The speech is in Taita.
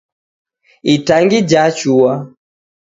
Itangi ja chua